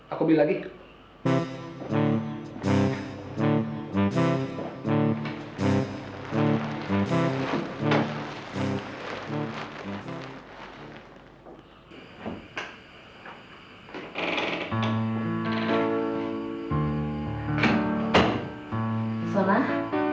aku belikan lagi mau nggak